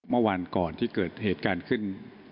เมื่อวานก่อนที่เกิดเหตุการณ์ขึ้น